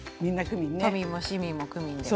都民も市民もクミンで。